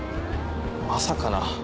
まさかな。